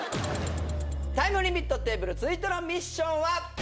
タイムリミットテーブル続いてのミッションは。